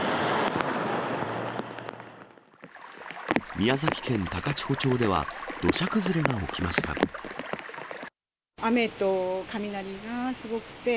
宮崎県高千穂町では、土砂崩れが雨と雷がすごくて、